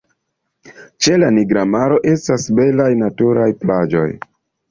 Ĉe la Nigra Maro estas belaj naturaj plaĝoj.